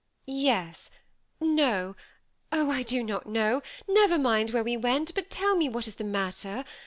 " Yes — no. Oh ! I do not know ; never mind where we went, but teU me what is the matter.